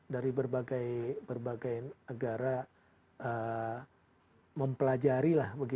dari berbagai negara mempelajari lah